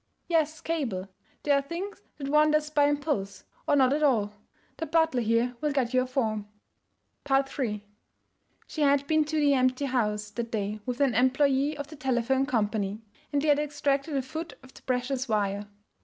'Yes, cable. There are things that one does by impulse or not at all. The butler here will get you a form.' III She had been to the empty house that day with an employee of the telephone company, and they had extracted a foot of the precious wire.